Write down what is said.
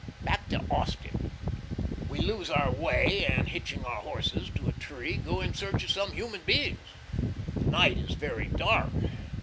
Back to Austin. We lose our way, and hitching our horses to a tree, go in search of some human beings. The night is very dark.